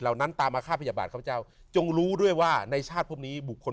นั้นตามอาฆาตพยาบาทข้าพเจ้าจงรู้ด้วยว่าในชาติพวกนี้บุคคล